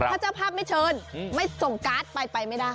ถ้าเจ้าภาพไม่เชิญไม่ส่งการ์ดไปไปไม่ได้